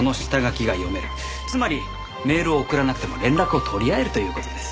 つまりメールを送らなくても連絡を取り合えるという事です。